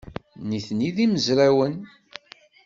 Nitni d imezrawen.